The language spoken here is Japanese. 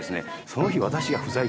その日。